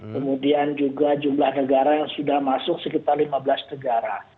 kemudian juga jumlah negara yang sudah masuk sekitar lima belas negara